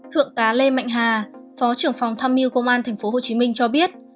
thượng tá lê mạnh hà phó trưởng phòng tham mưu công an tp hcm cho biết